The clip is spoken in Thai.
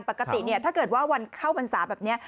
ปกติเนี่ยถ้าเกิดว่าวันเข้าพรรษาแบบนี้